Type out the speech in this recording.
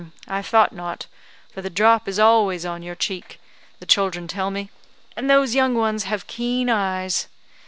"I thought not; for the drop is always on your cheek, the children tell me; and those young ones have keen eyes.